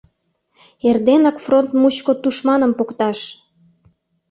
Эрденак фронт мучко тушманым покташ!